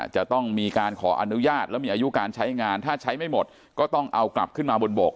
จะต้องมีการขออนุญาตแล้วมีอายุการใช้งานถ้าใช้ไม่หมดก็ต้องเอากลับขึ้นมาบนบก